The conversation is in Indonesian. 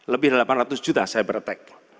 lebih dari delapan ratus juta cyber attack